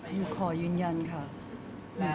หนูขอยืนยันค่ะ